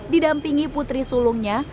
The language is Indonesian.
didampingi putri sulungnya